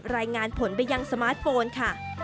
รายงานผลไปยังสมาร์ทโฟนค่ะ